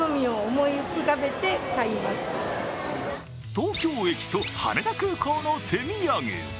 東京駅と羽田空港の手土産。